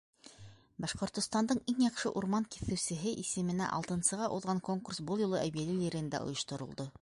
Башҡортостандың иң яҡшы урман киҫеүсеһе исеменә алтынсыға уҙған конкурс был юлы Әбйәлил ерендә ойошторолдо.